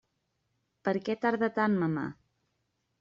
Per què tarda tant Mamà?